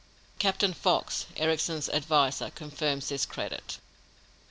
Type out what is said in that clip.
(Captain Fox, Ericsson's adviser, confirms this credit.)